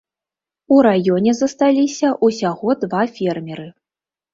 У раёне засталіся ўсяго два фермеры.